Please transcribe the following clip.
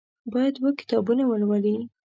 باید اووه کتابونه ولولي.